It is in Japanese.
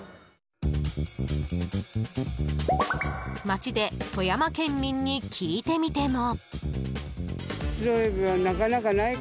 街で富山県民に聞いてみても。